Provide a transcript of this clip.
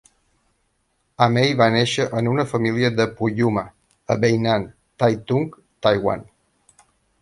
A-mei va néixer en una família de Puyuma, a Beinan, Taitung, Taiwan.